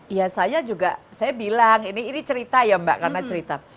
ya saya juga saya bilang ini cerita ya mbak karena cerita